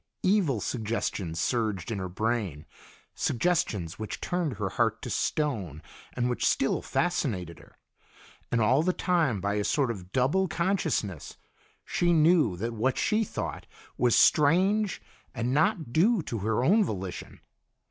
Evil suggestions surged in her brain suggestions which turned her heart to stone and which still fascinated her. And all the time by a sort of double consciousness she knew that what she thought was strange and not due to her own volition.